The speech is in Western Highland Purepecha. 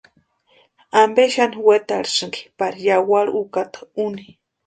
¿Ampe xani wetarhisïnki pari yawarhi úkata úni?